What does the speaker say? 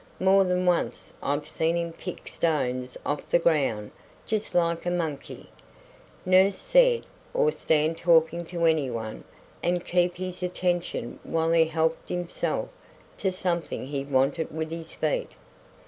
More than once I've seen him pick stones off the ground just like a monkey, nurse said or stand talking to any one and keep his attention while he helped himself to something he wanted with his feet.